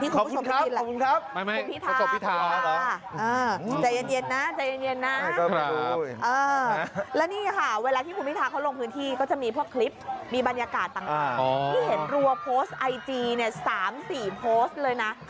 ที่เห็นรัวโพสต์ไอจีเนี่ย๓๔โพสต์เลยนะ